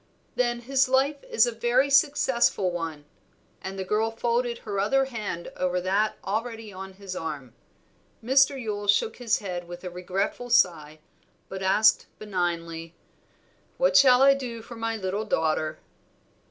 "Then his life is a very successful one;" and the girl folded her other hand over that already on his arm. Mr. Yule shook his head with a regretful sigh, but asked benignly "What shall I do for my little daughter?"